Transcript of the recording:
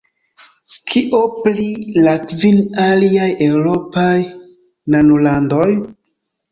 Kio pri la kvin aliaj eŭropaj nanolandoj?